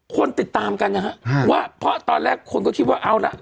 คนติดตามกันนะฮะว่าเพราะตอนแรกคนก็คิดว่าเอาละ